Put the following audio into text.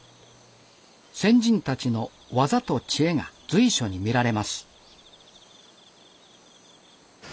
先人たちの技と知恵が随所に見られます。